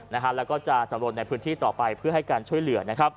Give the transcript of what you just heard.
และก็จะสะลดในพื้นที่ต่อไปเพื่อให้การช่วยเหลือ